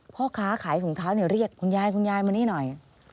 พ่อค้าขายถุงเท้าเรียกคุณยายคุณยายมานี่หน่อย